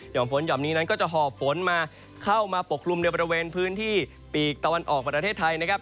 ฝนหย่อมนี้นั้นก็จะหอบฝนมาเข้ามาปกคลุมในบริเวณพื้นที่ปีกตะวันออกประเทศไทยนะครับ